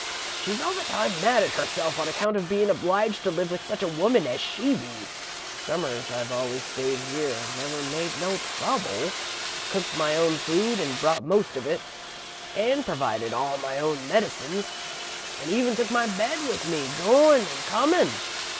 She's all the time mad at herself on account of bein' obliged to live with such a woman as she be. Summers I've allers stayed here an' never made no trouble. I've cooked my own food an' brought most of it, an' provided all my own medicines, an' even took my bed with me, goin' an' comin'.